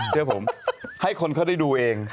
เชื่อผมให้คนเขาได้ดูเอง